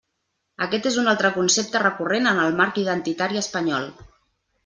Aquest és un altre concepte recurrent en el marc identitari espanyol.